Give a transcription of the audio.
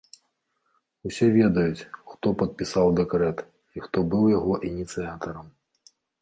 Усе ведаюць, хто падпісаў дэкрэт і хто быў яго ініцыятарам.